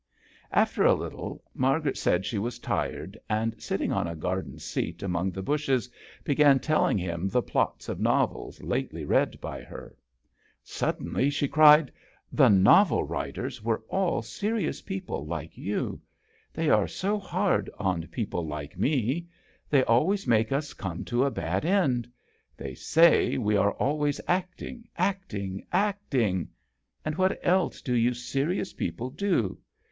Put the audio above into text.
After a little Margaret said she was tired, and, sitting on a garden seat among the bushes, began telling him the plots of novels lately read by her. Sud denly she cried "The novel writers were all serious people like you. They are so hard on people like me. They always make us come to a bad end. They say we are always acting, acting, acting; and what else do you serious people do?